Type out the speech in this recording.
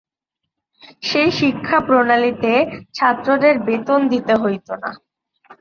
সেই শিক্ষাপ্রণালীতে ছাত্রদের বেতন দিতে হইত না।